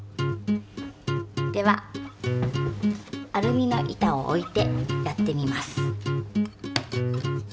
ではアルミの板を置いてやってみます。